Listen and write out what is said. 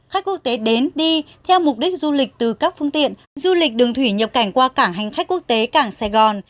khách quốc tế đến đi theo mục đích du lịch từ các phương tiện du lịch đường thủy nhập cảnh qua cảng hành khách quốc tế cảng sài gòn